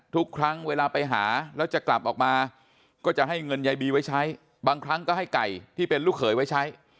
ทุกครั้งเวลาไปหาแล้วจะกลับออกมาก็จะให้เงินยายบีไว้ใช้บางครั้งก็ให้ไก่ที่เป็นลูกเขยไว้ใช้